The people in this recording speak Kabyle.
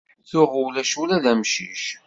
Tuɣ ulac ula d amcic.